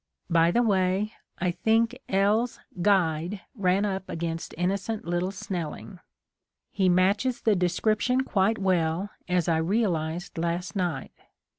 By the way, I think "L.'s" guide ran up against innocent little Snelling I He matches 37 THE COMING OF THE FAIRIES the description quite well, as I realized last night.